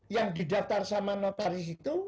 yang didaftar sama notaris itu